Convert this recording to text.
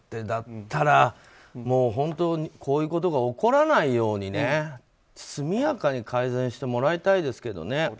だったら、こういうことが起こらないように速やかに改善してもらいたいですけどね。